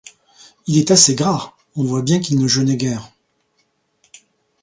Il est assez gras, on voit bien qu'il ne jeûnait guère.